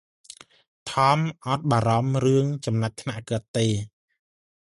ថម អត់បារម្ភរឿងចំណាត់ថ្នាក់គាត់ទេ។